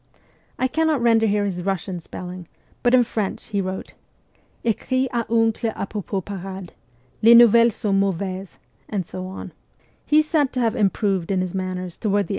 I cannot render here his Russian spelling, but in French he wrote, 'Ecri a oncle a propos parade ... les nouvelles sont mauvaisent,' and so on. He is said to have improved in his manners toward VOL.